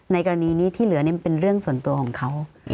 กรณีนี้ที่เหลือนี่มันเป็นเรื่องส่วนตัวของเขา